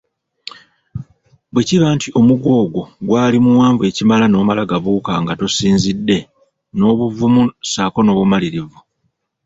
Bwe kiba nti omuguwa ogwo gwali muwanvu ekimala nomala gabuuka nga tosinzidde n'obuvumu ssaako n'obumalirivu,